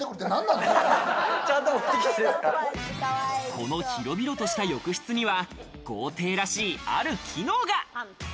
この広々とした浴室には、豪邸らしい、ある機能が。